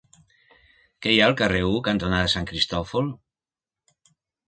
Què hi ha al carrer U cantonada Sant Cristòfol?